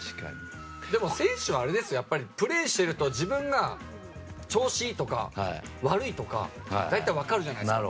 でも、選手はプレーしてると自分が調子いいとか悪いとか大体分かるじゃないですか。